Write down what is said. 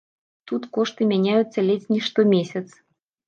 Тут кошты мяняюцца ледзь не штомесяц.